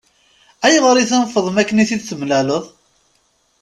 Ayɣer i tunfeḍ makken i t-id-temlaleḍ?